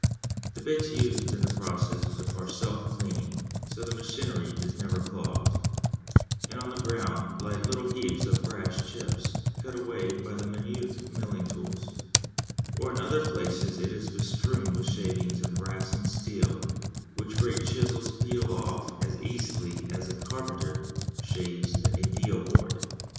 The bits used in these processes are self cleaning, so the machinery is never clogged; and on the ground lie little heaps of brass chips cut away by the minute milling tools; or in other places it is bestrewn with shavings of brass and steel which great chisels peel off as easily as a carpenter shaves a deal board.